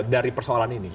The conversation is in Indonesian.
dari persoalan ini